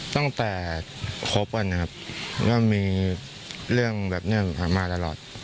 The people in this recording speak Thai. ตั้งแต่คบกันนะครับก็มีเรื่องแบบนี้มาตลอด